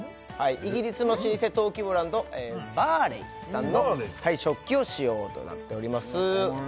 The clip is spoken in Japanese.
イギリスの老舗陶器ブランドバーレイさんの食器を使用となっております